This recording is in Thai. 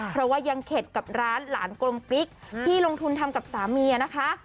เพราะว่ายังเข็ดกับร้านหลานกลมปิ๊กที่ลงทุนทำกับสามีนะคะ